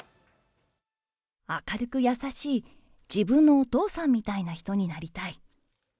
明るく優しい自分のお父さんみたいな人になりたい。